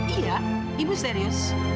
iya ibu serius